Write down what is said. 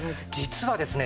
実はですね